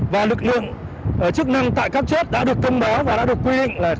và lực lượng chức năng tại các chốt đã được thông báo và đã được quy định là